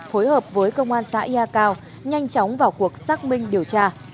phối hợp với công an xã yatio nhanh chóng vào cuộc xác minh điều tra